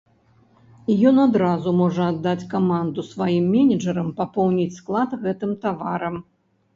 І ён адразу можа аддаць каманду сваім менеджэрам папоўніць склад гэтым таварам.